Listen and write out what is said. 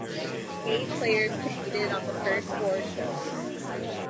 Eight players competed on the first four shows.